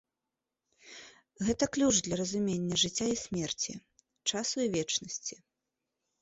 Гэта ключ для разумення жыцця і смерці, часу і вечнасці.